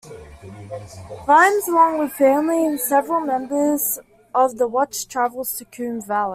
Vimes, along with family and several members of the Watch, travels to Koom Valley.